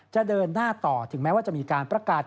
จะเดินหน้าต่อถึงแม้ว่าจะมีการประกาศ